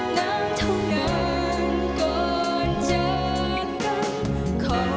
น้ำเท่านั้นก่อนจะกับ